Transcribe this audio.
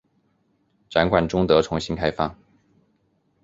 展馆终得重新开放。